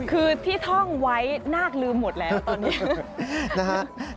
คือที่ท่องไว้นาคลืมหมดแล้วตอนนี้นะฮะ